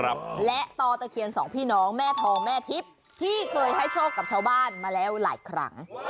และต่อตะเคียนสองพี่น้องแม่ทองแม่ทิพย์ที่เคยให้โชคกับชาวบ้านมาแล้วหลายครั้ง